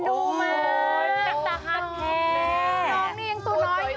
โอ้โฮ